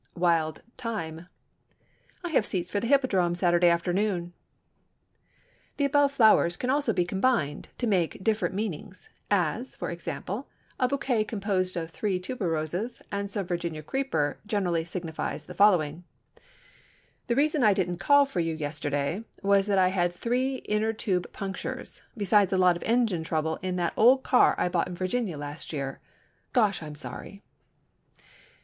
Wild Thyme—"I have seats for the Hippodrome Saturday afternoon." The above flowers can also be combined to make different meanings, as, for example, a bouquet composed of three tuberoses and some Virginia creeper generally signifies the following, "The reason I didn't call for you yesterday was that I had three inner tube punctures, besides a lot of engine trouble in that old car I bought in Virginia last year. Gosh, I'm sorry!"